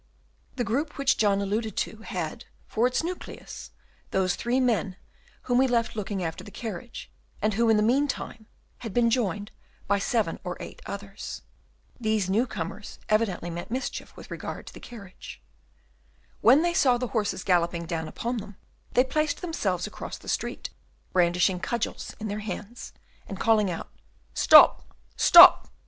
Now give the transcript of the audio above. The group which John alluded to had, for its nucleus, those three men whom we left looking after the carriage, and who, in the meanwhile, had been joined by seven or eight others. These new comers evidently meant mischief with regard to the carriage. When they saw the horses galloping down upon them, they placed themselves across the street, brandishing cudgels in their hands, and calling out, "Stop! stop!"